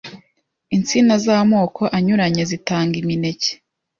Insina z'amoko anyuranye zitanga imineke